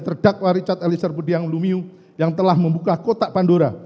terdakwa richard eliezer budiang lumiu yang telah membuka kotak pandora